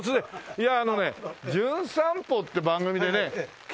いやああのね『じゅん散歩』っていう番組でね来た